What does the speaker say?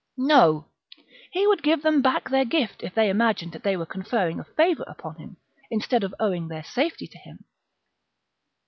No ! he would give them back their 52 b.c. gift if they imagined that they were conferring a favour upon him instead of owing their safety to him.